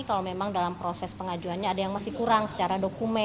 kalau memang dalam proses pengajuannya ada yang masih kurang secara dokumen